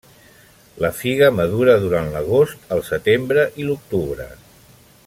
La figa madura durant l'agost, el setembre i l'octubre.